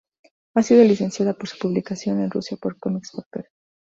Ha sido licenciada para su publicación en Rusia por Comics Factory.